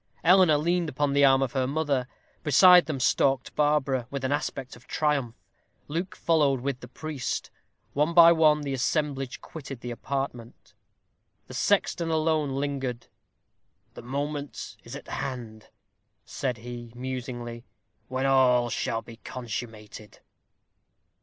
Eleanor leaned upon the arm of her mother. Beside them stalked Barbara, with an aspect of triumph. Luke followed with the priest. One by one the assemblage quitted the apartment. The sexton alone lingered. "The moment is at hand," said he, musingly, "when all shall be consummated."